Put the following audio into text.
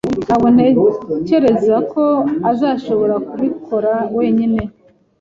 Ntabwo ntekereza ko azashobora kubikora wenyine.